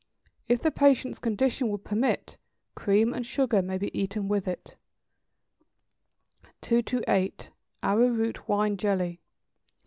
If the patient's condition will permit, cream and sugar may be eaten with it. 228. =Arrowroot Wine Jelly.